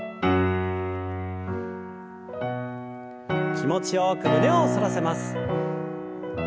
気持ちよく胸を反らせます。